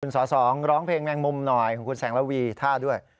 สอสองร้องเพลงแมงมุมหน่อยของคุณแสงระวีท่าด้วย